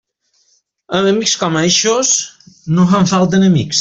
Amb amics com eixos, no fan falta enemics.